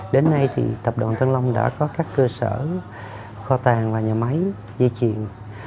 đến nay tập đoàn tân long đã có các cơ sở kho tàng và nhà máy di chuyển